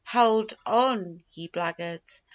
'Howld on, ye blaggards!